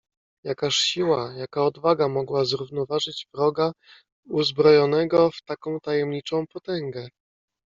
"Jakaż siła, jaka odwaga mogła zrównoważyć wroga, uzbrojonego w taką tajemniczą potęgę?"